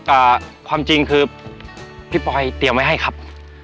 แต่ความจริงคือพี่ปอยเตรียมไว้ให้ครับ